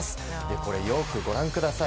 これ、よくご覧ください。